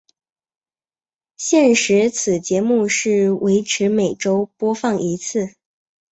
现时此节目是维持每周播放一次。